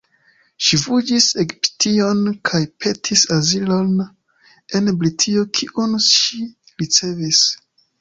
Ŝi fuĝis Egiption kaj petis azilon en Britio, kiun ŝi ricevis.